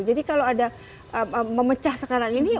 kalau ada memecah sekarang ini